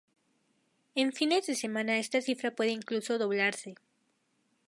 En fines de semanas esta cifra puede incluso doblarse.